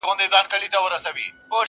هسي نه دا ارمان یوسم زه تر ګوره قاسم یاره,